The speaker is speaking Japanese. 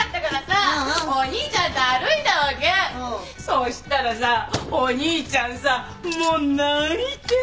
そしたらさお兄ちゃんさもう泣いて泣いて。